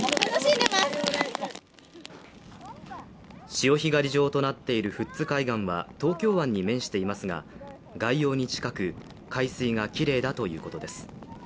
潮干狩り場となっている富津海岸は、東京湾に面していますが外洋に近く、海水がきれいだということです。